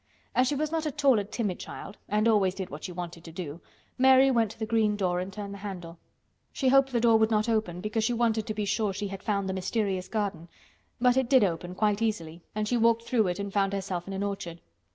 As she was not at all a timid child and always did what she wanted to do, Mary went to the green door and turned the handle. She hoped the door would not open because she wanted to be sure she had found the mysterious garden—but it did open quite easily and she walked through it and found herself in an orchard.